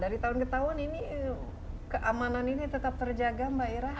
dari tahun ke tahun ini keamanan ini tetap terjaga mbak ira